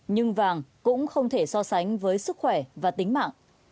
nhưng vàng cũng không thể so sánh với sức khỏe và tính mạng